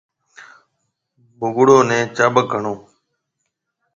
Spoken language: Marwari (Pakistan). بگڙون نَي چاٻڪ هڻو۔